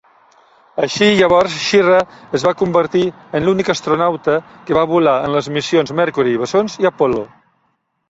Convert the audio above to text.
Així llavors, Schirra es va convertir en l'únic astronauta que va volar en les missions Mercuri, Bessons i Apol·lo.